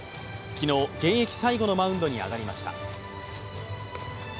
昨日、現役最後のマウンドに上がりました。